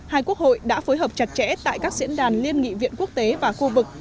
hai quốc hội đã phối hợp chặt chẽ tại các diễn đàn liên nghị viện quốc tế và khu vực